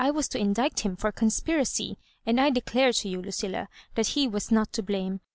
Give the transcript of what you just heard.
81 was to indict him for conspiracy ; and I declare to you, Lucilla, that he was not to blame.